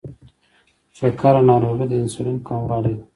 شکره ناروغي د انسولین کموالي ده.